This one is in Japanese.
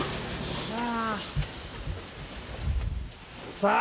さあ。